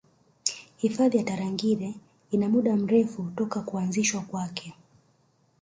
Hifadhi ya Tarangire ina muda mrefu toka kuanzishwa kwake